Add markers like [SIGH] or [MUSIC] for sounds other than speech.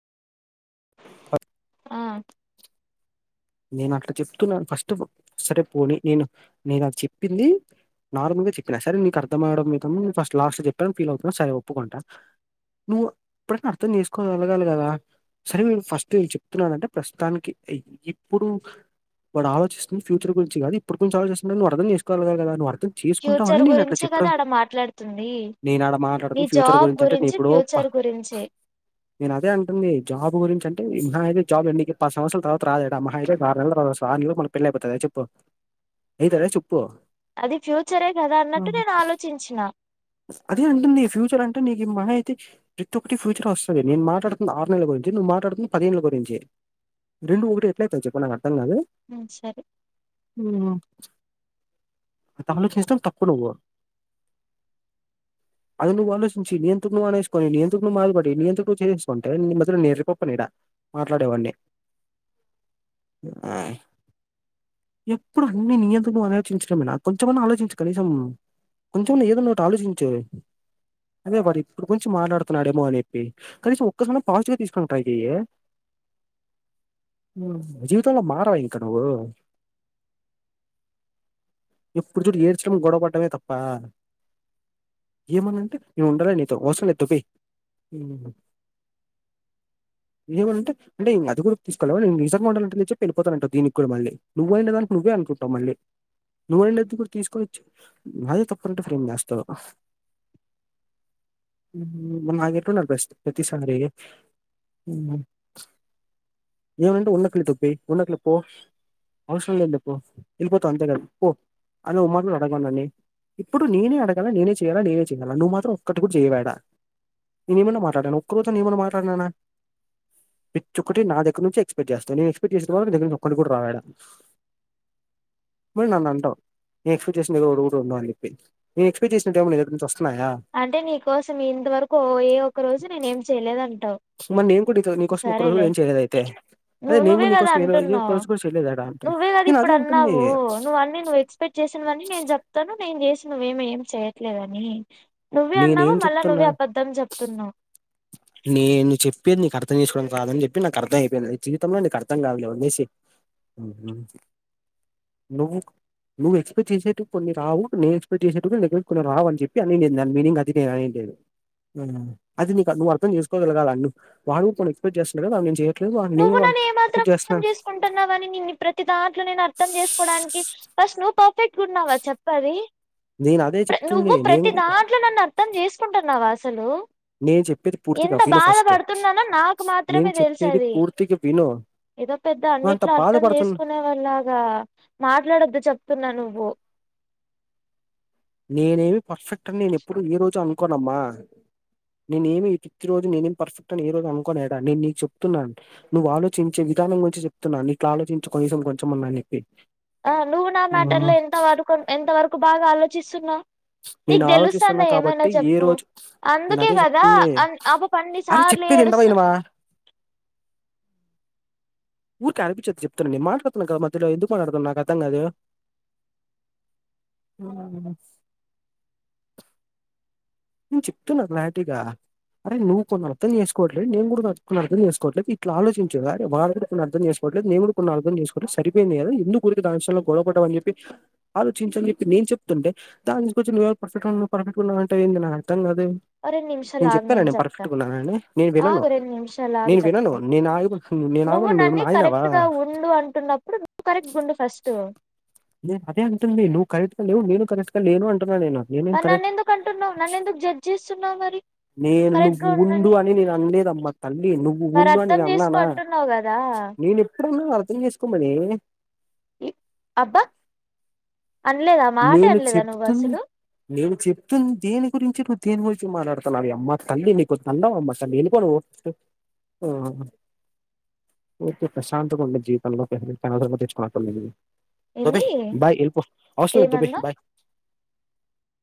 ఫస్ ఆ నేన్ అట్లా చెప్ తున్ నాన్ ఫస్ట్ వ్ సరే పోని నేను నేన్ అద్ చెప్పింది నార్ ముల్ నువే చెప్ నా సర్ నీక్ అర్థం అవడం నీ కమ్ ఫస్ట్ లాస్ట్ చెపామ్ ఫీల్ అవుతునవ్ సరే ఒప్పుకుంట నువ్వు ఇప్ డన్ నా అర్థం చేస్ కోవ గల్గలగాలి కదా సరే నేన్ ఫస్టు ఎల్ చెప్ తున్ న్నానంటే ప్రస్ తాన్ కి హేయ్ ఎ ప్పుడు వాడు ఆలోచిస్తుంది ఫ్యూచర్ గురించి గాని ఇప్పటినుంచి ఆలోచిస్తున్నాడు అంటే నువ్వు అర్థం చేసుకోవాగల గాలి కదా! నువ్ అర్ త్రన్ చేసుకుంటా అనే ఫ్యూచర్ నేన్ అట్లా గురించే కదా చెపడమ్ ఆడ మాట్లాడుతుంది నేన్ ఆడ మాట్లాడ్ తున్ ఫ్యూచర్ గురించి అంటే నీ ఇపుడో ప అర్ గురించే నేన్ అదే అంటుంది జాబ్ గురించంటే ఇహయిన్ జాబ్ నీకె పస్ సంవస్రరాల తర్వాత రాదే ద మహ అయితే అర్ నెల్ తర్ వాత వస్ స్త ఈ లోప్ మన పెళ్లి ఐపోతాద చెప్పు ఐతదా చెప్ అది ఫ్యూచరే కదా అన్నట్టు ఆహా! నేను ఆలోచించ్ న అదే అంటుంది ఫ్యూచర్ అంటే నీక్ ఈ మహై యితే ప్రతి ఒక్కటి ఫ్యూచర్ వస్తది నేన్ మాట్లాడుతున్ ఆరు నెల్ గురించి నువ్వు మాట్లాడుతుంది పదేన్ ల గురించి రొండు ఒకటి ఎట్లయితది చెప్పు నాకు అర్థం గాదు ఉమ్, సరే తమలో చేస్తం తప్పు నువ్వు అది నువ్వు ఆలోచించి నియంతట నువ్వు ఆనేసుకొని నియంత్రు మాధబడి నియంతట నువు చేససుకోంటే నీమధ్యలో నే ఎరిప ప్ప నీడా మాట్లాడేవాడ్నీ ఎప్పుడు అన్ని నీ అంతకు ఆలోచించడమేనా కొంచమఅన్నా ఆలోచించు కనీసం కొంచెమఅన్నా ఏదోఉన్న ఒకటి ఆలోచించు అదే మరి ఇప్పుడు గురించి మాట్లాడుతున్నాడేమో అనిప్పి కనీసం ఒక్కస మల్లా పాజిటివ్ గా తీసుకుంటయిది ఏ జీవితంలో మారవ ఇకా నువ్వు ఎప్పుడు చూడు ఏడ్చడం గొడవ పడ్డమే తప్పా ఏమ అన్న అంటే నవ్వు ఉండాలేను నీతో అవసరం లేదు దొబ్బేయి ఏమ్ అంటే అంటే ఇగ అది కూడా తీసుకెళవా ఎంది నిజంగా ఉండాలంటే నిచ్చ పెళ్ళిపోతానంటావ్ మ దీనికి కూడ మళ్ళీ నువ్వే అయిందానికి నువ్వే అనుకుంటున్నావ్ మళ్ళీ నువ్వుండు కూడా తీసుకొచ్చి నాదే తప్పు అంటే ఇప్పుడు ఎమ్ చేస్తావ్ మగే ఎట్టఉంటది బెస్ట్ ప్రతి సారి ఈ మ్ ఏమన్అంటే ఉన్నక్లే దొబ్బయి ఉన్నక్లెపో అవ్సరం మ్ లేదులే పో వెళ్ళి పోతా అంతేగా పో అందుకు ఉ మాక్గూడ [INAUDIBLE] న్నని ఇప్పుడు నేనే అడగాల నేనే చేయ్యాల నేనే చేయగల నువ్వు మాత్రం ఒక్కటి కూడా చేయి పెట్టవ నేను ఏమన్నా మాట్లాడాను ఒక్క రోజు ఏమన్నా మాట్లాడినాన ప్రిచ్చ్ ఒక్కటి నా దగ్గర నుంచి ఎక్స్పెక్ట్ చేస్తా తని ఎక్స్పెక్ట్ చేసుటోర్ తెలీద్ ఒక్కటి కూడా రాద్ ఈడా మరి నన్న్ అంటావు నే ఎస్పెక్ట్ చేసిన ఏదో ఒక [INAUDIBLE] ఉండవు అని చెిప్పి నే ఎక్స్పెక్ట్ చేసిన ఎమైనా నీదగ్గర నుంచి వస్ అంటే నీకోసం ఇంతవరకు ఒ ఏ ఒక్క రోజు నేనే ఏం చేయలేదు అంటావు సుమన్ నేన్ కూడ నీతో నీకోసం ఒక్క రోజులు ఏం చేయలేద అయితే అదే నువ్వు నేను నువ్వే కూడా కదా నీకోసం ఏ రోజు ఒక్క అంటున్నావు్ రోజు కూడా చేయలేదాడా అంటుంది నువ్వే కదా నేను ఇప్పుడు అదే అంటుంది అన్నావు నువ్వు అన్నీ నువ్వు ఎక్స్పెక్ట్ చేసి చేసినఅవఅన్ని నేను చెప్తాను నేను చేసినవి ఏమై ఏమే చేయట్లేద్ అని నువ్వే అన్నావు నేనేం మళ్ళా చెప్తున్నా నువ్వే అబద్ధం చెప్తు ఉన్నావు నేను చెప్పేది నీకు అర్థం చేసుకోవడం రాదని చెప్పిండాను నాకు అర్థం అయిపోయింది లే జీవితంలో నీకు అర్థం కాదులే వదలేసయి నువ్వు నువ్వు ఎక్స్పెక్టె చేసేటు కొన్ని రావు నే ఎక్స్పక్ట్ చేసేటు కొన్ని రావు అన్ చెప్పి అని మీనింగ్ అది నేను అనేది అది నీకు నువ్వు అర్థం చేసుకోగలగాల అన్ని వాడు కొన్ని ఎక్స్పెక్ట్ చేస్తున్నాట్గా నేను చేయి నువ్వు నన్ను ఏమ్ మాత్రం అర్థం చేసుకుంటున్నావు అని ని ప్రతి దాంట్లో నేను అర్థం చేసుకోవడానికి ఫస్ట్ నువ్వు పార్ ఫెక్ట్ ఉన్నావా చెప్పది నేను అదే చెప్తుంది. నువ్వు నేను ప్రతి దాంట్లో నన్ను అర్థ్ ర్ధమ్ చేసుకుంటు ఉన్నావా అసలు నేను చెప్పేది పూర్తిగా ఎంత విను బాధ ఫస్ట్. పడుతు ఉన్నానో నాకు మాత్రమే తెలుసు అది తిగ వీనూ ఏదో పెద్ద అన్నిట్లో అర్థం చేసుకున్నే వాళ్ లాగా మాట్లాడొద్దు చెప్తున్నా నువ్వు పో నేనే ఎమి పర్ఫెక్ట్ అని నేను ఎప్పుడు ఏ రోజు అనుకోన్ అమ్మా నేనే ఎమి ఈ ప్రతి రోజు నేనే ఎం పర్ఫెక్ట్ అని ఏ రోజు అనుకోన్ ఏడా నేను నీకు చెప్తు ఉన్నా నువ్వు ఆలోచించే వి విధానం గురించి చెప్తుఉన్నా నీక్ ఆలోచించు కోనీ కనీసం కొంచం ఉన్న అని చెప్పి ఆ నువ్వు నా మ్యాటర్ హ్మ్. లో ఎంత వరకు ఎంత వరకు బాగా ఆలోచిస్తు ఉన్నావు నేను ఆలోచిస్తు ఉన్నా కాబట్టి ఏ చెప్పు రోజు నేన అందుకే అదే కదా చెప్తుంది అ ఆ పాప అన్ని అరే సార్లు చెప్పేది ఇంతవ ఏడుస్తా ఇన వా ఊరిక అర్పించొచ్చిచెప్తుంది మేము మాట్లాడుతున్నా కదా మధ్యలో ఎందుకు మాట్లాడుతుఉన్నావు నాకు అర్థం కాదు అ మ్ చెప్తుఉన్నారు నాకేగా అరే నువ్వు కుడా నన్ను అర్థం చేసుకోవట్లేదు నేను కూడా కొన్ని అర్థం చేసుకోట్లేదు ఇట్లా ఆలోచించు అరే వాడు ఎవడు అర్థం చేసుకో చేసుకోవడానికి పట్లేదు నేను కూడా కొన్ని అర్థం చేసుకోవట్ల సరిపోయింది గదు ఎందుకు ఉరికే దాని విషయంలో గొడవ పడటం అని చెప్పి ఆలోచించు అని చెప్పి నేను చెప్తుంటే దానికి కొంచం నువ్వే మో పర్ఫెక్ట్ ఉండవు పర్ఫెక్ట్ ఉండవు అంటే ఏం చేయాల అరె నిమిషాలు ఆగు నేను జప్తా పర్ఫెక్ట్ ఉన్నానని నేను వినను ఆగు రెండు నిమిషాలు ఆగు నేను జప్త వినను నేను ఆగి నేను నువ్వు ఆగమను నన్నే ఏమైనా ఆగినావా కరెక్ట్గా ఉండు అంటున్న అప్పుడు నువ్వు కరెక్ట్ గుండు ఫస్ట్ నేను అదే అంటుంది నువ్ కరెక్ట్ గా లేవు నేనూ కరెక్ట్ గా లేను అం మరి నన్నెందుకు అంటున్నావు నన్నెందుకు జడ్జ్ చేస్తున్నావు మరి నేను కరెక్ట్ నువ్వు గా ఉండు ఉండని అని నేను అనలేదు అమ్మా తల్లి నువ్వు మరి ఉండు అని అర్థం నేను చేసుకో అన్నానా అంటున్నావు కదా నేను ఎప్పుడూ నువ్ ర్థం చేసుకోమని ఇ అబ్బా అనలేదా మాట నేను అనలేదా నువ్వు చెప్తుం అసలు నేను చెప్తుంది దేని గురించి రు దేని గురించి మాట్లాడుతున్నావే అమ్మా తల్లి నీకో దండం అమ్మా తల్లి ఎళిపో నువ్వు ఆమె ఉరికే ప్రశాంతంగా ఉండే జీవితం లో [INAUDIBLE] తలకాయ నొప్పి తెచ్చుకునట్టుంది ఇది దొబ్బేయ్ ఏంది బాయ్ ఎళ్పో అవసరం లేదు దొబ్బే ఏమన్నా బాయ్